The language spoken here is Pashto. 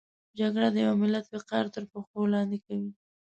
جګړه د یو ملت وقار تر پښو لاندې کوي